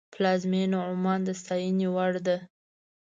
پلازمینه عمان د ستاینې وړ ده.